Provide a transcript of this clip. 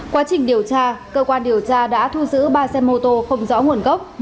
quá trình điều tra cơ quan điều tra đã thu giữ ba xe mô tô không rõ nguồn gốc